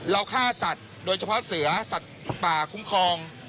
ฆ่าสัตว์โดยเฉพาะเสือสัตว์ป่าคุ้มครอง